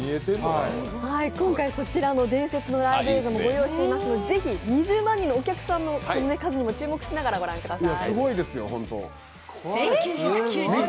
今回そちらのライブ映像もご用意していますのでぜひ２０万人のお客さんの数にも注目しながら御覧ください。